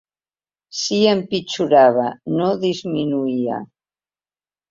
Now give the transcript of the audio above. Si empitjorava, no disminuïa.